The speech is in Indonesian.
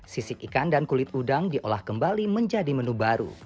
sisik ikan dan kulit udang diolah kembali menjadi menu baru